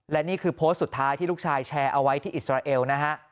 และนี่คือโพสต์สุดท้ายที่ลูกชายแชร์เอาไว้ที่อิสราเอลนะฮะ